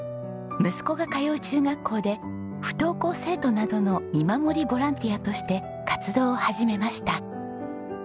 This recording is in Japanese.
息子が通う中学校で不登校生徒などの見守りボランティアとして活動を始めました。